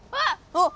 あっ！